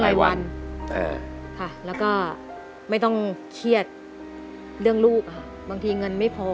รายวันค่ะแล้วก็ไม่ต้องเครียดเรื่องลูกค่ะบางทีเงินไม่พอ